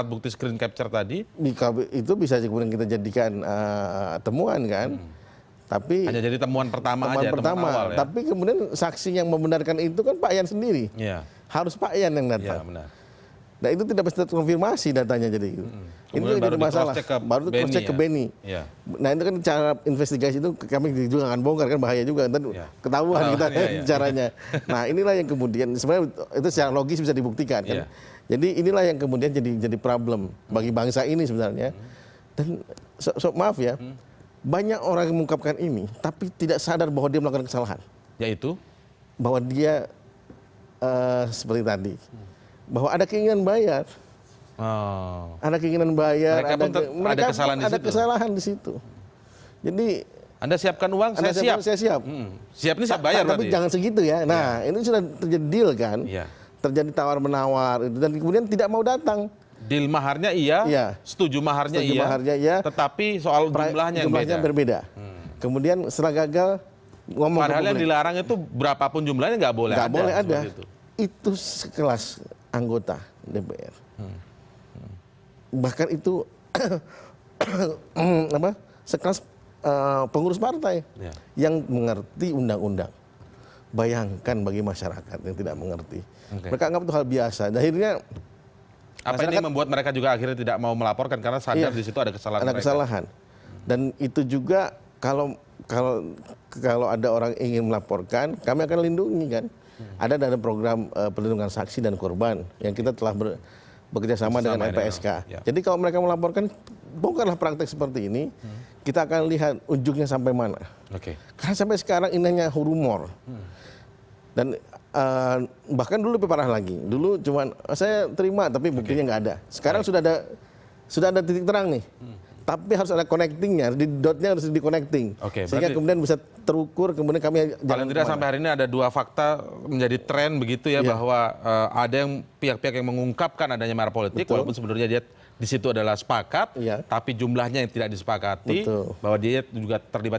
baik adakah kemudian rekan rekan anda di daerah juga yang sempat bercerita bahwa ketika akan maju atau mencalonkan calon yang diusung oleh dpd setempat misalnya